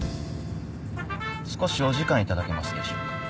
少しお時間頂けますでしょうか。